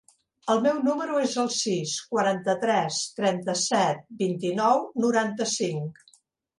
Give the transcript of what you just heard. El meu número es el sis, quaranta-tres, trenta-set, vint-i-nou, noranta-cinc.